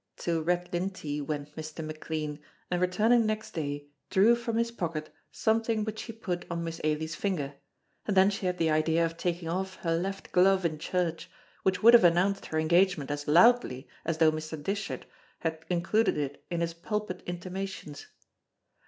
To Redlintie went Mr. McLean, and returning next day drew from his pocket something which he put on Miss Ailie's finger, and then she had the idea of taking off her left glove in church, which would have announced her engagement as loudly as though Mr. Dishart had included it in his pulpit intimations.